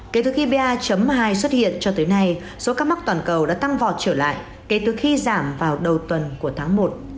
kể từ khi ba hai xuất hiện cho tới nay số ca mắc toàn cầu đã tăng vọt trở lại kể từ khi giảm vào đầu tuần của tháng một